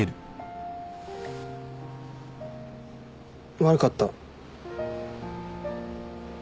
悪かった。